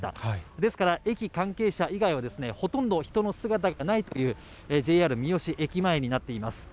ですから、駅関係者以外はほとんど人の姿がないという、ＪＲ三次駅前になっています。